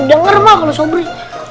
dengar mal kalau sobri